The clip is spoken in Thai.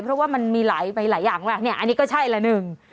เพราะว่ามันมีหลายอย่างมากเนี่ยอันนี้ก็ใช่ละหนึ่ง